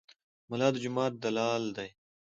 ملا د جومات دلال دی.